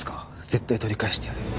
絶対取り返してやる。